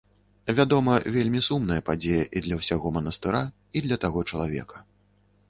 Вядома, вельмі сумная падзея і для ўсяго манастыра, і для таго чалавека.